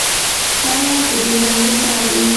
شاید د دې لامل دا وي.